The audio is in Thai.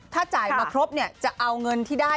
ถ้าจ่ายมาครบจะเอาเงินที่ได้